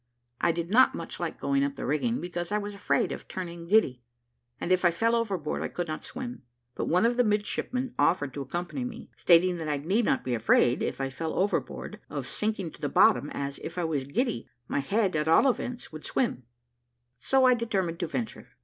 I did not much like going up the rigging, because I was afraid of turning giddy, and if I fell overboard I could not swim; but one of the midshipmen offered to accompany me, stating that I need not be afraid, if I fell overboard, of sinking to the bottom, as, if I was giddy, my head at all events would swim; so I determined to venture.